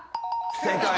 正解。